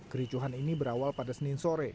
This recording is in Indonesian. kericuhan ini berawal pada senin sore